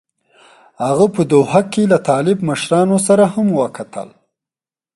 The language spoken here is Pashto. هغه په دوحه کې له طالب مشرانو سره هم وکتل.